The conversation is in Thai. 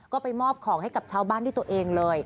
ก็ไปมอบของให้กับชาวบ้านด้วยตัวเองเลย